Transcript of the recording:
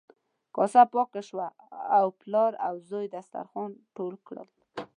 کاسه پاکه شوه او پلار او زوی دسترخوان ټول کړل.